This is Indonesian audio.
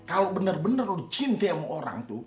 kalo bener bener lo cinta sama orang tuh